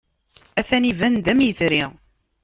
Atan iban-d am yetri.